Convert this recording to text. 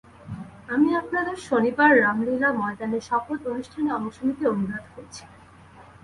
আমি আপনাদের শনিবার রামলীলা ময়দানে শপথ অনুষ্ঠানে অংশ নিতে অনুরোধ করছি।